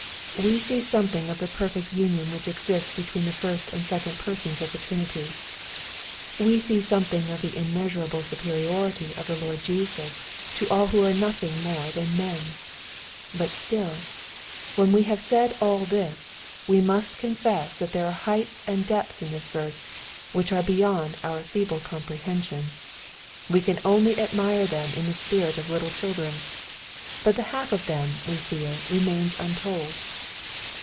We see something of the perfect union which exists be tween the first and second Persons of the Trinity. We see something of the immeasurable superiority of the Lord Jesus to all who are nothing more than men But still, when we have said all this, we must confess that there are heights and depths in this verse, which are be yond our feeble comprehension. We can only admire them in the spirit of little children. But the half of them, we must feel, remains untold.